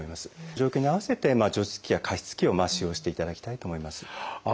状況に合わせて除湿器や加湿器を使用していただきたいと思います。